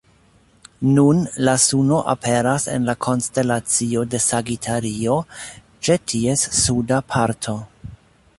Nun, la suno aperas en la konstelacio de Sagitario, ĉe ties suda parto.